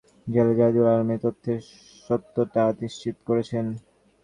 ঢাকা কেন্দ্রীয় কারাগারের deputy jailer Zahidul Alam এ তথ্যের সত্যতা নিশ্চিত করেছেন।